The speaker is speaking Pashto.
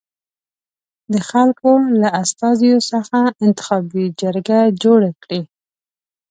د خلکو له استازیو څخه انتخابي جرګه جوړه کړي.